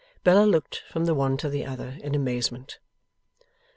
Bella looked from the one to the other, in amazement.